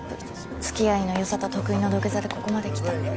つきあいの良さと得意の土下座でここまで来た。